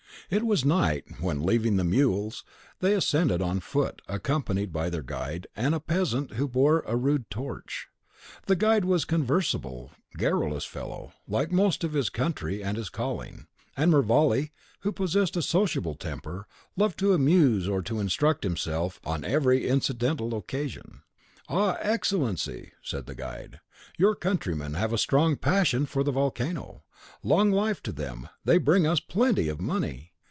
It was night, when, leaving the mules, they ascended on foot, accompanied by their guide, and a peasant who bore a rude torch. The guide was a conversable, garrulous fellow, like most of his country and his calling; and Mervale, who possessed a sociable temper, loved to amuse or to instruct himself on every incidental occasion. "Ah, Excellency," said the guide, "your countrymen have a strong passion for the volcano. Long life to them, they bring us plenty of money!